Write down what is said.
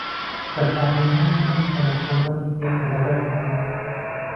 بەکارهێنانی ئەم تەلەفۆنەم لێ قەدەغە کراوە.